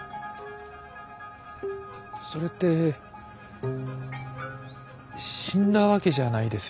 それって死んだわけじゃないですよね。